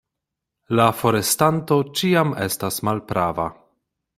La forestanto ĉiam estas malprava.